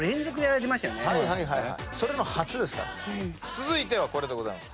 続いてはこれでございます。